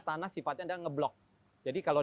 tanah sifatnya adalah ngeblok jadi kalau